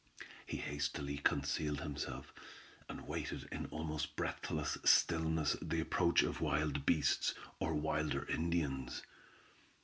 He hastily concealed himself, and waited in almost breathless stillness the approach of wild beasts, or wilder Indians.